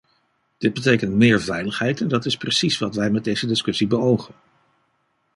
Dit betekent meer veiligheid, en dat is precies wat wij met deze discussie beogen.